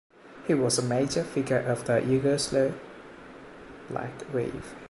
He was a major figure of the Yugoslav Black Wave.